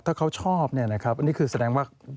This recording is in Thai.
ถ้าเขาชอบนี่คือแสดงว่า